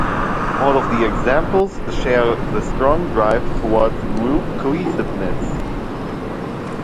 All of the examples share the strong drive towards group cohesiveness.